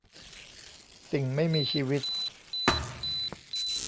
สิ่งไม่มีชีวิต